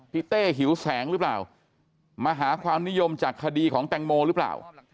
เต้หิวแสงหรือเปล่ามาหาความนิยมจากคดีของแตงโมหรือเปล่า